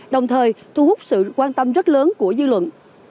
đồng thời thu hút sự quan tâm rất lớn của dư luận